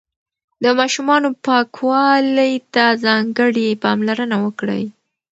د ماشومانو پاکوالي ته ځانګړې پاملرنه وکړئ.